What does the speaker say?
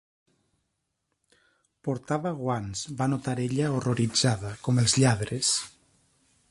Portava guants, va notar ella horroritzada, com els lladres.